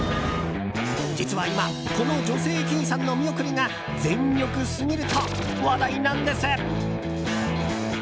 実は今この女性駅員さんの見送りが全力すぎると話題なんです。